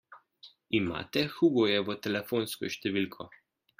Imate Hugojevo telefonsko številko?